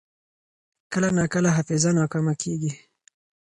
کله ناکله حافظه ناکامه کېږي.